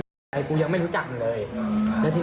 นักเรียงมัธยมจะกลับบ้าน